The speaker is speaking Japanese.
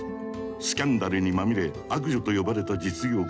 スキャンダルにまみれ「悪女」と呼ばれた実業家